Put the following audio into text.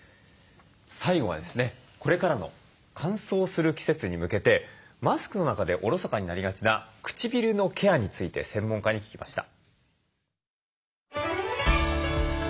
最後はですねこれからの乾燥する季節に向けてマスクの中でおろそかになりがちな唇のケアについて専門家に聞きました。